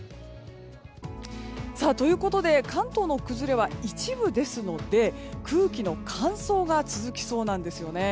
ということで関東の崩れは一部ですので空気の乾燥が続きそうなんですよね。